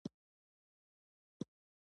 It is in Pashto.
جوابونو هدایت مي ورکړ.